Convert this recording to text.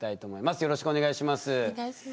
よろしくお願いします。